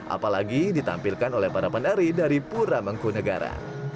apalagi ditampilkan oleh para penari dari puramangkunegara